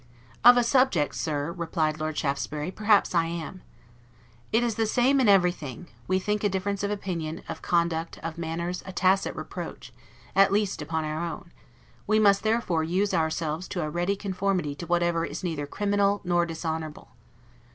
"Of a SUBJECT, Sir," replied Lord Shaftesbury, "perhaps I am." It is the same in everything; we think a difference of opinion, of conduct, of manners, a tacit reproach, at least, upon our own; we must therefore use ourselves to a ready conformity to whatever is neither criminal nor dishonorable.